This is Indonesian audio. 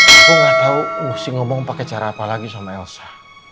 aku gak tahu harus ngomong pake cara apa lagi sama elsa